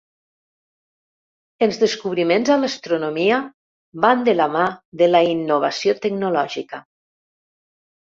Els descobriments a l'astronomia van de la mà de la innovació tecnològica.